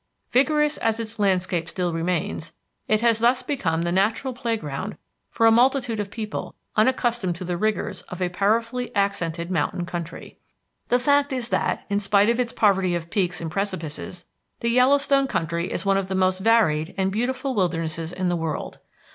Vigorous as its landscape still remains, it has thus become the natural playground for a multitude of people unaccustomed to the rigors of a powerfully accented mountain country. The fact is that, in spite of its poverty of peaks and precipices, the Yellowstone country is one of the most varied and beautiful wildernesses in the world.